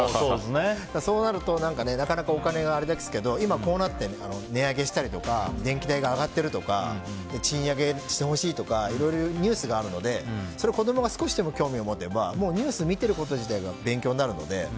そうなるとなかなかお金があれですけど今、こうなって値上げしたりとか電気代が上がってるとか賃上げしてほしいとかいろいろニュースがあるのでそれを子供が少しでも興味を持てば、ニュースを見てること自体が勉強になるので。